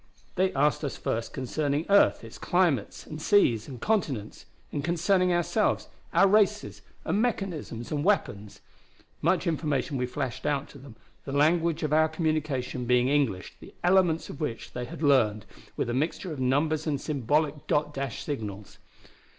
"They asked us first concerning earth, its climates and seas and continents, and concerning ourselves, our races and mechanisms and weapons. Much information we flashed out to them, the language of our communication being English, the elements, of which they had learned, with a mixture of numbers and symbolical dot dash signals.